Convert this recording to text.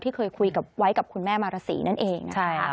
ที่เคยคุยไว้กับคุณแม่มารสีนั่นเอง